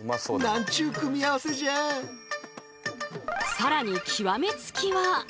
次は極め付きは。